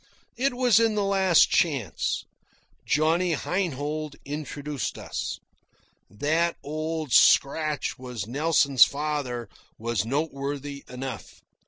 It was in the Last Chance. Johnny Heinhold introduced us. That Old Scratch was Nelson's father was noteworthy enough.